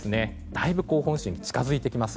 だいぶ本州に近づいてきます。